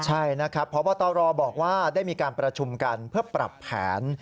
ใช่นะครับพบตรบอกว่าได้มีการประชุมกันเพื่อปรับแผน